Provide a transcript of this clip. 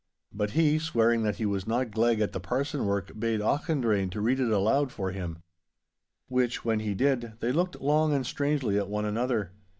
But he, swearing that he was not gleg at the parson work, bade Auchendrayne to read it aloud for him. Which, when he did, they looked long and strangely at one another.